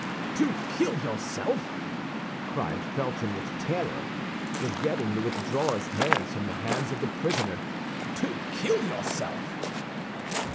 "To kill yourself?" cried Felton, with terror, forgetting to withdraw his hands from the hands of the prisoner, "to kill yourself?"